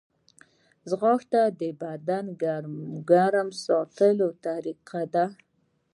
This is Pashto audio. ځغاسته د بدن ګرم ساتلو طریقه ده